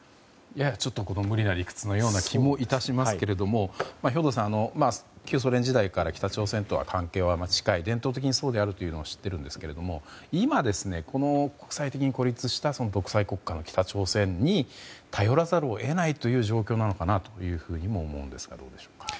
やや無理な理屈のような気もいたしますけども兵頭さん、旧ソ連時代から北朝鮮と関係は深い、伝統的にそうであるというのは知っているんですが今、この国際的に孤立した独裁国家の北朝鮮に頼らざるを得ない状況なのかなとも思うんですがどうでしょうか。